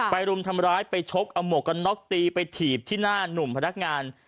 รุมทำร้ายไปชกเอาหมวกกันน็อกตีไปถีบที่หน้าหนุ่มพนักงาน